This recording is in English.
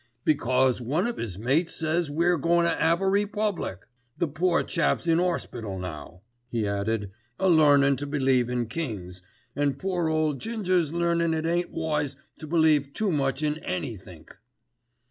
"Because one of 'is mates says we're goin' to 'ave a republic! The poor chap's in 'orspital now," he added, "a learnin' to believe in kings, and poor ole Ginger's learnin' that it ain't wise to believe too much in anythink."